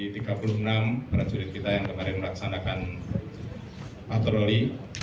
di tiga puluh enam para jurid kita yang kemarin melaksanakan patroli